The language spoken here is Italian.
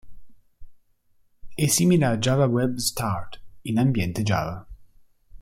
È simile a Java Web Start in ambiente Java.